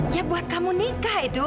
ya buat kamu nikah itu